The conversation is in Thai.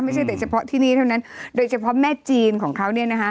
ไม่ใช่เฉพาะแม่จีนเนี่ย